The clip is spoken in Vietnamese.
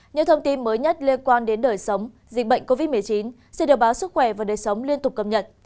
những thông tin mới nhất liên quan đến đời sống dịch bệnh covid một mươi chín sẽ được báo sức khỏe và đời sống liên tục cập nhật